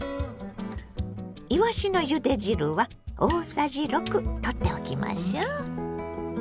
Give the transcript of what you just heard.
いわしのゆで汁は大さじ６とっておきましょう。